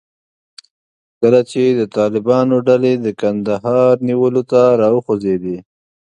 کله چې د طالبانو ډلې د کندهار نیولو ته راوخوځېدې.